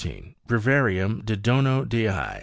Breviarium de Dono Dei.